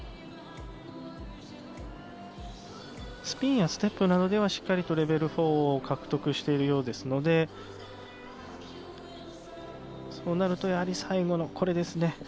スピンやステップなどではしっかりとレベル４を獲得しているようですので、そうなると最後のこれですね。